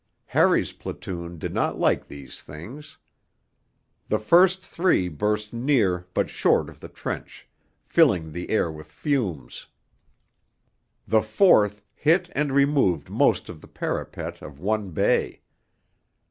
Harry's platoon did not like these things. The first three burst near but short of the trench, filling the air with fumes; the fourth hit and removed most of the parapet of one bay.